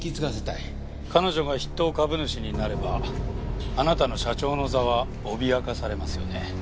彼女が筆頭株主になればあなたの社長の座は脅かされますよね。